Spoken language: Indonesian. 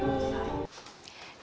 masih belum selesai